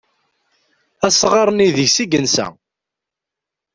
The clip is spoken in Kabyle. Asɣar-nni deg-s i yensa.